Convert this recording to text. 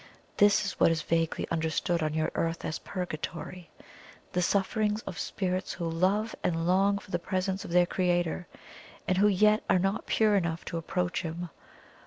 This is what is vaguely understood on your earth as purgatory; the sufferings of spirits who love and long for the presence of their Creator, and who yet are not pure enough to approach Him.